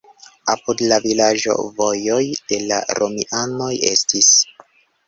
Apud la vilaĝo vojoj de la romianoj estis.